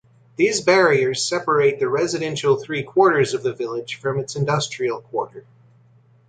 These barriers separate the residential three quarters of the village from its industrial quarter.